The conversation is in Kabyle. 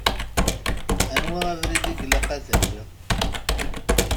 Anwa abrid i ilaq ad awiɣ?